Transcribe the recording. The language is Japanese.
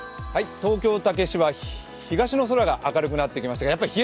東京・竹芝、東の空が明るくなってきました。